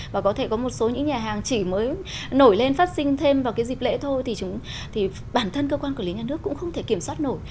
và có thể có một số những nhà hàng chỉ mới nổi lên phát sinh thêm vào cái dịp lễ thôi thì bản thân cơ quan quản lý nhà nước cũng không thể kiểm soát nổi